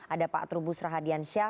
ada pak trubus rahadian syah